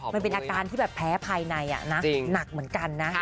มันเป็นอาการแพ้ภายในนักเหมือนกันนะ